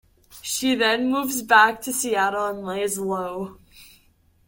She then moves back to Seattle and lays low.